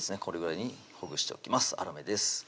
これぐらいにほぐしておきます粗めです